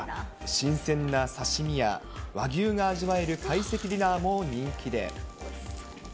新鮮な刺身や和牛が味わえる懐石ディナーも人気で。